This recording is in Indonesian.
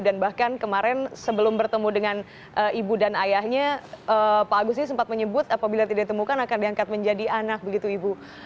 dan bahkan kemarin sebelum bertemu dengan ibu dan ayahnya pak agus ini sempat menyebut apabila tidak ditemukan akan diangkat menjadi anak begitu ibu